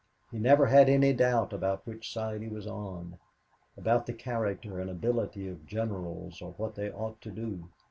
He never had any doubt about which side he was on, about the character and ability of generals or what they ought to do.